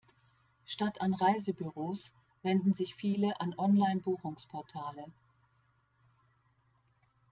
Statt an Reisebüros wenden sich viele an Online-Buchungsportale.